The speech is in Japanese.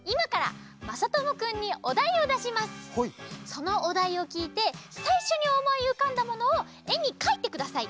そのおだいをきいてさいしょにおもいうかんだものをえにかいてください。